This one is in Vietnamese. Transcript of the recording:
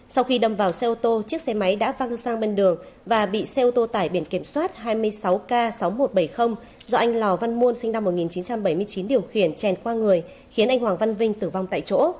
sau khi đâm vào xe ô tô chiếc xe máy đã văng sang bên đường và bị xe ô tô tải biển kiểm soát hai mươi sáu k sáu nghìn một trăm bảy mươi do anh lò văn muôn sinh năm một nghìn chín trăm bảy mươi chín điều khiển chèn qua người khiến anh hoàng văn vinh tử vong tại chỗ